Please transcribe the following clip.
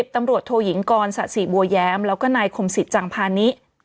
ตำรวจโทยิงกรสะสิบัวแย้มแล้วก็นายคมศิษย์จังพานิ